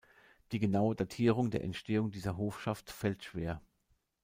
Die genaue Datierung der Entstehung dieser Hofschaft fällt schwer.